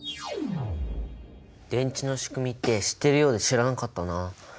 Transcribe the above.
電池のしくみって知ってるようで知らなかったな。